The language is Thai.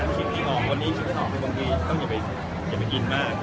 คิดไม่ออกทำไมบางทีก็ไม่ไหวไปกินมาก